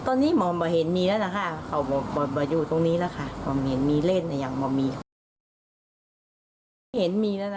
ตอนนี้เห็นมีแล้วนะคะเขามาอยู่ตรงนี้แล้วค่ะเห็นมีเล่นอย่างมี